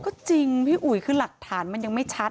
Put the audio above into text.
ก็จริงพี่อุ๋ยคือหลักฐานมันยังไม่ชัด